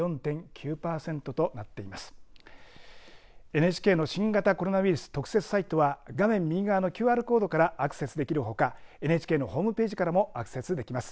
ＮＨＫの新型コロナウイルス特設サイトは画面右側のＱＲコードからアクセスできるほかＮＨＫのホームページからもアクセスできます。